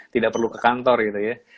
tidak perlu ke kantor gitu ya